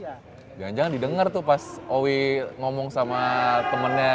jangan jangan didengar tuh pas owi ngomong sama temennya